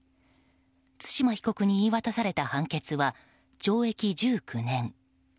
対馬被告に言い渡された判決は懲役１９年。